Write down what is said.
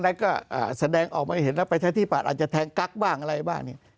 แล้วก็อ่าแสดงออกมาเห็นแล้วไปใช้ที่ปลาดอาจจะแทงกั๊กบ้างอะไรบ้างอย่างนี้